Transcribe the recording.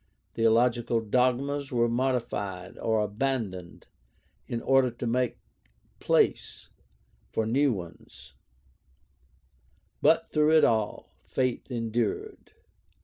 Theological dogmas were modified or abandoned in order to make place for new ones; but through it all faith endured.